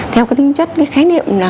theo cái tinh chất cái khái niệm là